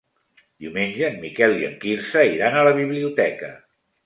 Diumenge en Miquel i en Quirze iran a la biblioteca.